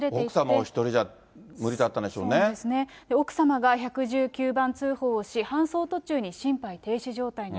お１人じゃ無理だったん奥様が１１９番通報をし、搬送途中に心肺停止状態に。